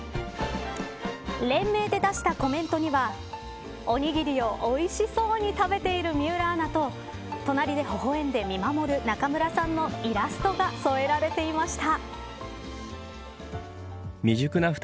連名で出したコメントにはおにぎりをおいしそうに食べている水卜アナと隣で微笑んで見守る中村さんのイラストが添えられていました。